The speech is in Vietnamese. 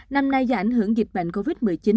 năm nay do ảnh hưởng dịch bệnh covid một mươi chín